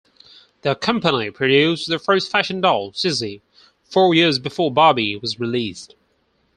The company produced the first fashion doll, "Cissy", four years before Barbie was released.